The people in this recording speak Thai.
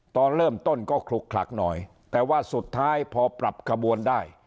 ตอนเริ่มต้นก็คลุกคลักหน่อยแต่ว่าสุดท้ายพอปรับขบวนได้